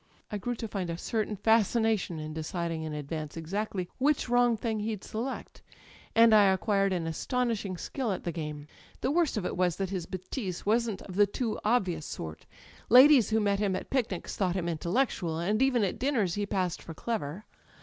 I grew to find a certain fascination in deciding in advance [ 260 ] Digitized by LjOOQ IC THE EYES exactly which wrong thing he*d select; and I acquired an astonishing skill at the game ... "The worst of it was that his betise wasn't of the too obvious sort. Ladies who met him at picnics thought him intellectual; and even at dinners he passed for clever.